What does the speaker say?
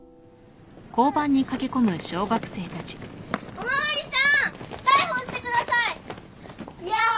お巡りさん逮捕してください！ヤッホー！